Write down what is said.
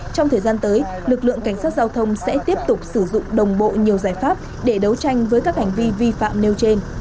trong thời gian tới lực lượng cảnh sát giao thông sẽ tiếp tục sử dụng đồng bộ nhiều giải pháp để đấu tranh với các hành vi vi phạm nêu trên